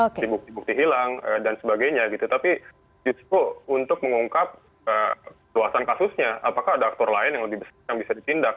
oke bukti bukti hilang dan sebagainya gitu tapi justru untuk mengungkap luasan kasusnya apakah ada aktor lain yang bisa dipindah